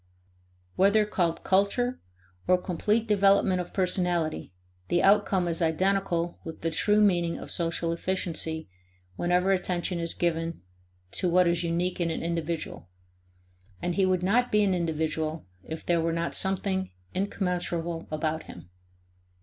Whether called culture or complete development of personality, the outcome is identical with the true meaning of social efficiency whenever attention is given to what is unique in an individual and he would not be an individual if there were not something incommensurable about him.